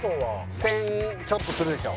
１０００ちょっとするでしょ